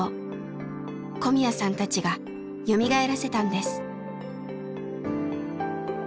小宮さんたちがよみがえらせたんです。